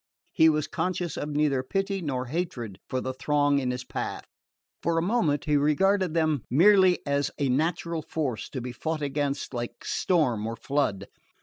He was conscious of neither pity nor hatred for the throng in his path. For the moment he regarded them merely as a natural force, to be fought against like storm or flood.